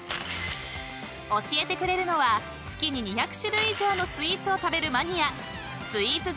［教えてくれるのは月に２００種類以上のスイーツを食べるマニア］